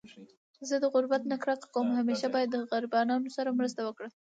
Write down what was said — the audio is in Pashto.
زه د غربت نه کرکه کوم .همیشه باید غریبانانو سره مرسته وکړو